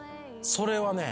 それはね